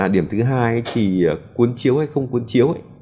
điểm thứ hai thì cuốn chiếu hay không cuốn chiếu ấy